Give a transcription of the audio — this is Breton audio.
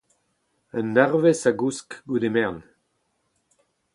Un eurvezh a gousk goude merenn.